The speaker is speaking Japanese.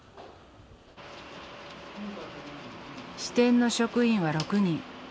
支店の職員は６人。